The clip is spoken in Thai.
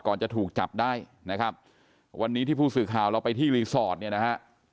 จะถูกจับได้นะครับวันนี้ที่ผู้สื่อข่าวเราไปที่รีสอร์ทเนี่ยนะฮะ